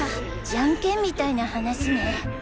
ジャンケンみたいな話ね。